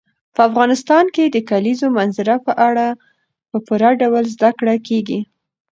په افغانستان کې د کلیزو منظره په اړه په پوره ډول زده کړه کېږي.